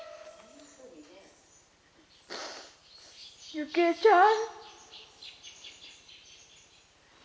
幸江ちゃん。